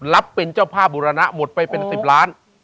รับเป็นเจ้าภาพบุรณะหมดไปเป็น๑๐ล้าน